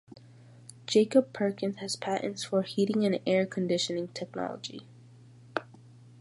Jacob Perkins has patents for Heating and Air Conditioning technology.